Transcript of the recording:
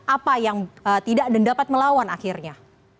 apa yang tidak dan dapat melawan akhirnya